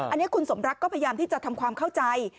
อันนี้คุณสมรักก็พยายามที่จะทำความเข้าใจ